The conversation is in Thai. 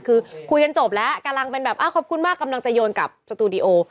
คือคุยกันจบแล้วกำลังเป็นแบบอ้าวขอบคุณมากกำลังจะโยนกับสตูดิโอ